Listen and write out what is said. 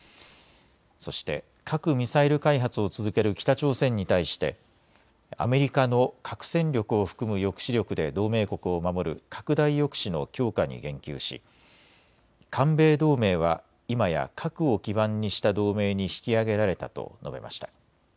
そして核・ミサイル開発を続ける北朝鮮に対してアメリカの核戦力を含む抑止力で同盟国を守る拡大抑止の強化に言及し韓米同盟は今や核を基盤にした同盟に引き上げられたと述べました。